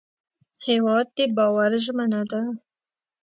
هېواد د باور ژمنه ده.